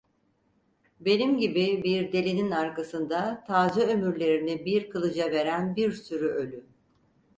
Benim gibi bir delinin arkasında taze ömürlerini bir kılıca veren bir sürü ölü…